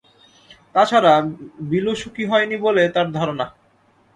তা ছাড়া, বিলু সুখী হয় নি বলে তাঁর ধারণা।